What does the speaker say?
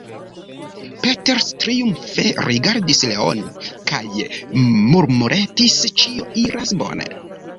Peters triumfe rigardis Leon kaj murmuretis: Ĉio iras bone.